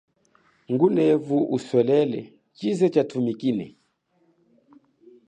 Ngunevu uswelele chize cha tumikine.